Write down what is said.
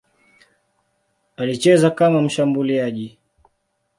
Alicheza kama mshambuliaji.